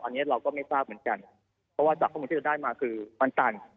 อันนี้เราก็ไม่ทราบเหมือนกันเพราะว่าจากข้อมูลที่เราได้มาคือมันตัน